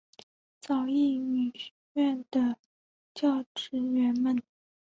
早乙女学园的教职员们。